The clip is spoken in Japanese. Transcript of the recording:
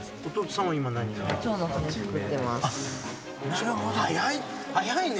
なるほど・早いね